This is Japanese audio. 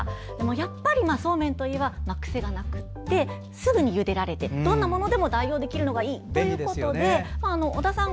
やっぱり、そうめんといえばくせがなくて、すぐにゆでられてどんなものでも代用できるのがいいということで尾田さん